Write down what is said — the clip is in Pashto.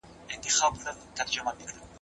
شاه عباس د شرابو د ګټو په اړه کتاب ولیکه.